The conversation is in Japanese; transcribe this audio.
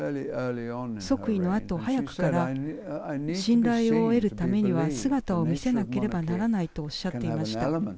即位のあと、早くから信頼を得るためには姿を見せなければならないとおっしゃっていました。